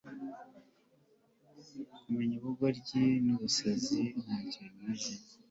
kumenya ubugoryi n'ubusazi ntacyo bimaze